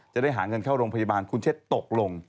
จะได้หาเงินเข้าโรงพยาบาลคุณเช็ดตกลง